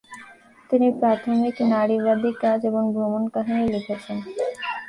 তিনি প্রাথমিক নারীবাদী কাজ এবং ভ্রমণকাহিনী লিখেছেন।